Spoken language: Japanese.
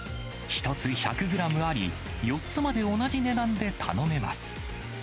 １つ１００グラムあり、４つまで同じ値段で頼めます。